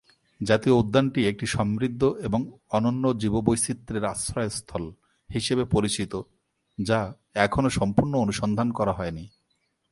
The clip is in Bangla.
জাতীয় উদ্যানটি একটি সমৃদ্ধ এবং অনন্য জীববৈচিত্র্যের আশ্রয়স্থল হিসেবে পরিচিত যা এখনো সম্পূর্ণ অনুসন্ধান করা হয়নি।